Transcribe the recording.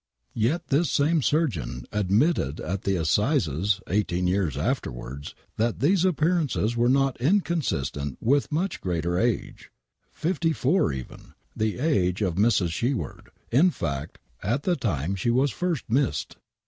Yet this same surgeon admitted at the assizes eighteen years afterwards that these appearances were not inconsistent with much greater age, fifty four even, the age of Mrs. Sheward, in fact, at the time she was first missed.